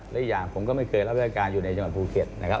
และอีกอย่างผมก็ไม่เคยรับราชการอยู่ในจังหวัดภูเก็ตนะครับ